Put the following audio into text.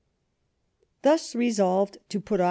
Thus resolved to put Au.